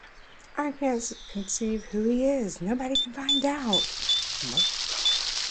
I can't conceive who he is; nobody can find out.